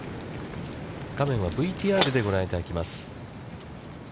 画面はＶＴＲでご覧いただきます。